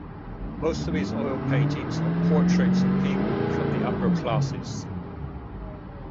Most of his oil paintings are portraits of people from the upper classes.